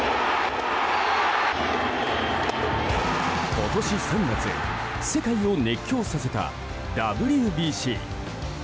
今年３月世界を熱狂させたＷＢＣ。